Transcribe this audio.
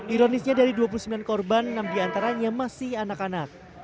ironisnya dari dua puluh sembilan korban enam diantaranya masih anak anak